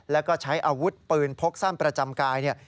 แล้วก็ใช้อาวุธปืนพกสั้นประจำกายเนี่ย